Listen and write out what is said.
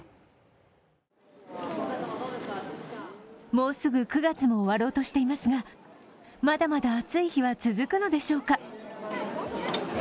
もうすぐ９月も終わろうとしていますが、まだまだ暑い日は続くのでしょうか。